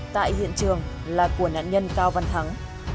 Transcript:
tại hiện trường là của nạn nhân cao văn thắng